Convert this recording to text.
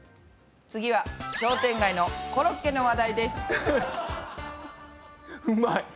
次は商店街のコロッケの話題です！